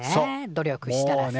努力したらさ。